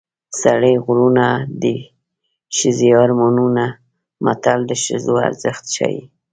سړي غرونه دي ښځې اړمونه متل د ښځو ارزښت ښيي